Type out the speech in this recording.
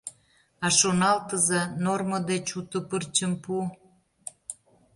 А шоналтыза: нормо деч уто пырчым пу.